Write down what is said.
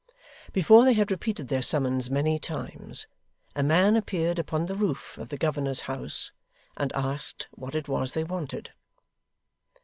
Before they had repeated their summons many times, a man appeared upon the roof of the governor's house, and asked what it was they wanted.